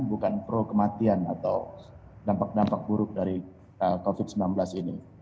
bukan pro kematian atau dampak dampak buruk dari covid sembilan belas ini